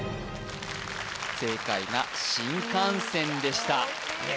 正解が新幹線でした